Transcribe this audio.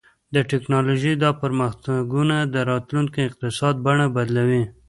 د ټیکنالوژۍ دا پرمختګونه د راتلونکي اقتصاد بڼه بدلوي.